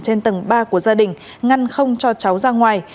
trên tầng ba của gia đình ngăn không cho cháu ra ngoài